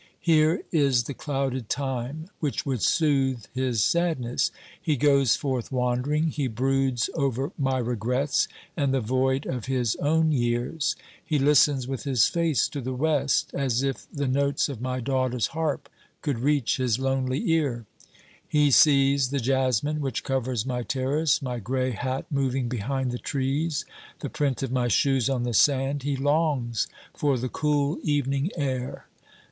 Here is the clouded time which would soothe his sadness ; he goes forth wandering ; he broods over my regrets and the void of his own years ; he listens with his face to the West, as if the notes of my daughter's harp could reach his lonely ear ; he sees the jasmine which covers my terrace, my grey hat moving behind the trees, the print of my shoes on the sand; he longs for the cool evening air.